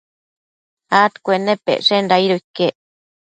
adcuennepecshenda aido iquec